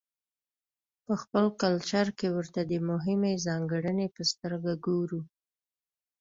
په خپل کلچر کې ورته د مهمې ځانګړنې په سترګه ګورو.